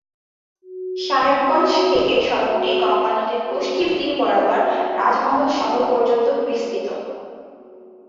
সাহেবগঞ্জ থেকে সড়কটি গঙ্গা নদীর পশ্চিম তীর বরাবর রাজমহল শহর পর্যন্ত বিস্তৃত।